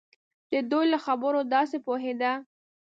د دوی له خبرو داسې پوهېده.